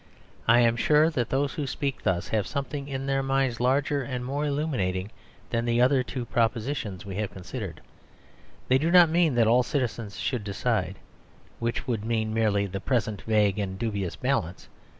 I am sure that those who speak thus have something in their minds larger and more illuminating than the other two propositions we have considered. They do not mean that all citizens should decide, which would mean merely the present vague and dubious balance.